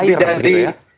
sudah lebih dari